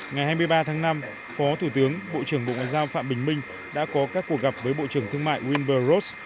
ngày hai mươi ba tháng năm phó thủ tướng bộ trưởng bộ ngoại giao phạm bình minh đã có các cuộc gặp với bộ trưởng thương mại wilbur ross